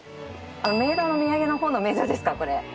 冥土の土産のほうの冥土ですかこれ。